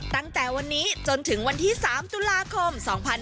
ตั้งแต่วันนี้จนถึงวันที่๓ตุลาคม๒๕๕๙